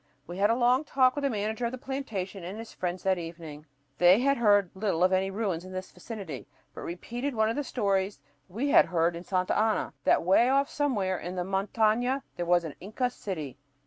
We had a long talk with the manager of the plantation and his friends that evening. They had heard little of any ruins in this vicinity, but repeated one of the stories we had heard in Santa Ana, that way off somewhere in the montaña there was "an Inca city."